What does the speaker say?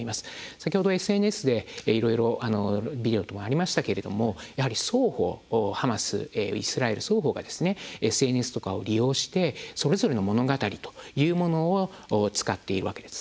先ほど、ＳＮＳでいろいろ、ビデオもありましたがハマス、イスラエル双方がＳＮＳとかを利用してそれぞれの物語というものを使っているわけです。